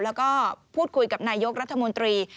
แล้วก็พูดคุยกับนายกรัฐมนตรี